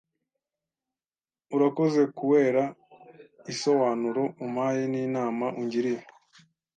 Urakoze kuera iisoanuro umpaye n’inama ungiriye